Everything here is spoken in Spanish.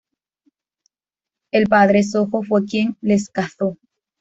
El Padre Sojo fue quien les casó.